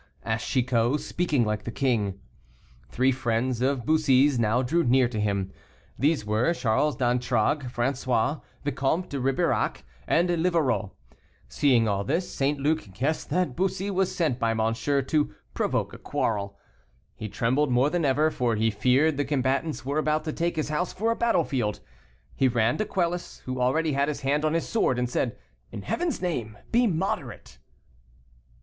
asked Chicot, speaking like the king. Three friends of Bussy's now drew near to him. These were Charles d'Antragues, François, Vicomte de Ribeirac, and Livarot. Seeing all this, St. Luc guessed that Bussy was sent by Monsieur to provoke a quarrel. He trembled more than ever, for he feared the combatants were about to take his house for a battle field. He ran to Quelus, who already had his hand on his sword, and said, "In Heaven's name be moderate."